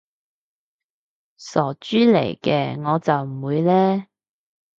傻豬嚟嘅，我就唔會嘞